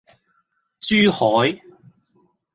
珠海